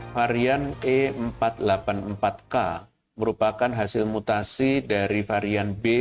varian e empat ratus delapan puluh empat k merupakan hasil mutasi dari varian b satu ratus tujuh belas